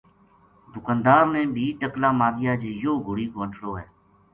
دکاندار نے بھی ٹقلا ماریا جی یوہ گھوڑی کو انٹڑو ہے